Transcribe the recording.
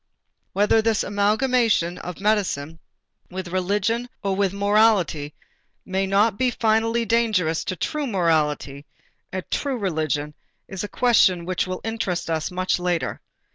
Whether this amalgamation of medicine with religion or with morality may not be finally dangerous to true morality and true religion is a question which will interest us much later.